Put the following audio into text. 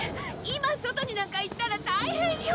今外になんか行ったら大変よ！